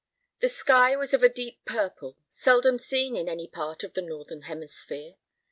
The sky was of a deep purple, seldom seen in any part of the northern hemisphere.